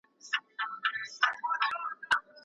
مهر بې پوښتني نه ټاکل کېږي.